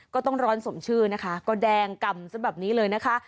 ก็ต้องร้อนสมชื่อนะคะก็แดงกำซะแบบนี้เลยนะคะ